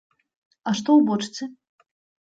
А што ў бочцы?